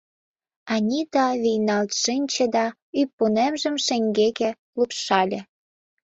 Анита вийналт шинче да ӱппунемжым шеҥгеке лупшале.